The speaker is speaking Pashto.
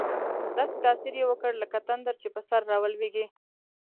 داسې تاثیر یې وکړ، لکه تندر چې پر سر راولوېږي.